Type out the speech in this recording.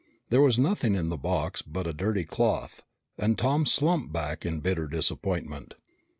There was nothing in the box but a dirty cloth, and Tom slumped back in bitter disappointment.